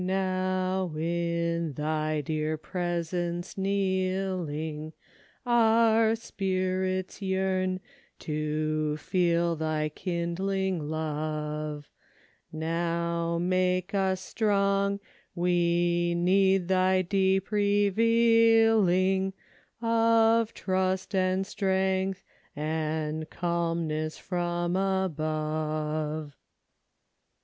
now in thy dear presence kneeling, Our spirits yearn to feel thy kindling love ; Now make us strong ; we need thy deep revealing Of trust, and strength, and calmness from above."